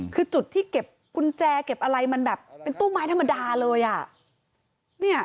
คือจุดที่เก็บกุญแจเก็บอะไรมันแบบเป็นตู้ไม้ธรรมดาเลยอ่ะ